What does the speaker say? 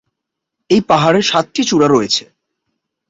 এই পাহাড়ের সাতটি চূড়া রয়েছে।